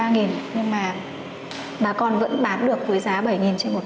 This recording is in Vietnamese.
nhưng mà bà con vẫn bán được với giá bảy trên một